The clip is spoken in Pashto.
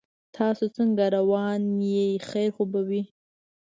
تاسو څنګه روان یې خیر خو به وي